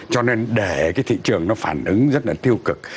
cho nên để cái thị trường nó phản ứng rất là tiêu cực